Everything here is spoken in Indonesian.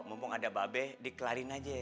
mumpung ada mbak be dikelarin aja